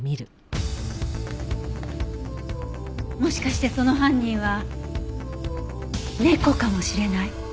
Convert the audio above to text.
もしかしてその犯人は猫かもしれない。